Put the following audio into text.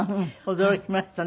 驚きましたね